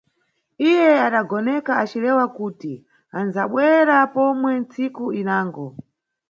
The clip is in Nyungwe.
Iye adagoneka acilewa kuti andzabwera pomwe ntsiku inango.